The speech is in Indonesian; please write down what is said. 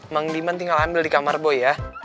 bang diman tinggal ambil di kamar boy ya